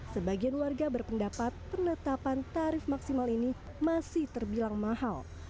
sebagian warga berpendapat penetapan tarif maksimal ini masih terbilang mahal